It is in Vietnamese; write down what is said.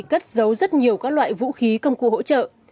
cất giấu rất nhiều các loại vũ khí công cụ hỗ trợ